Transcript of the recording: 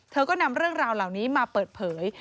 เธอก็นำเรื่องราวเหล่านี้มาเปิดเผย